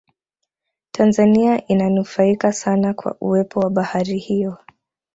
tanzania inanufaika sana kwa uwepo wa bahari hiyo